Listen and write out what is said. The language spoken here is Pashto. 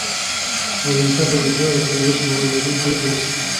او د انسان پر نېکمرغه سرنوشت باور لرونکی ولس دی.